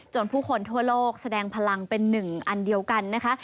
ผู้คนทั่วโลกแสดงพลังเป็นหนึ่งอันเดียวกันนะคะ